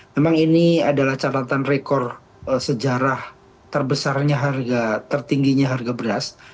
memang ini adalah catatan rekor sejarah terbesarnya harga tertingginya harga beras